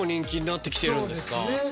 そうですね